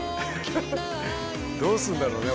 どうすんだろうね